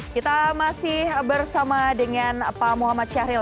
kita masih bersama dengan pak muhammad syahril